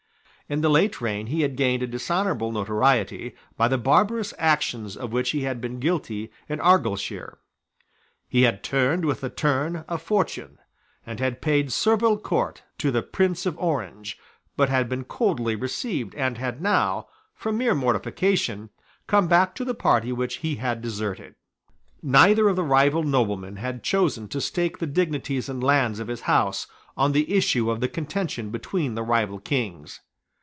In the late reign he had gained a dishonourable notoriety by the barbarous actions of which he had been guilty in Argyleshire. He had turned with the turn of fortune, and had paid servile court to the Prince of Orange, but had been coldly received, and had now, from mere mortification, come back to the party which he had deserted, Neither of the rival noblemen had chosen to stake the dignities and lands of his house on the issue of the contention between the rival Kings.